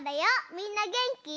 みんなげんき？